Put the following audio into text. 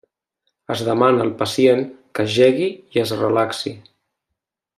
Es demana al pacient que jegui i es relaxi.